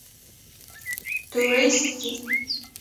تورېست یم.